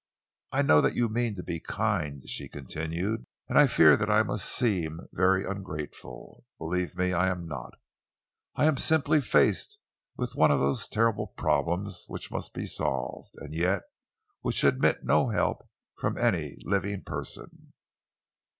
"I know that you mean to be kind," she continued, "and I fear that I must seem very ungrateful. Believe me, I am not. I am simply faced with one of those terrible problems which must be solved, and yet which admit of no help from any living person."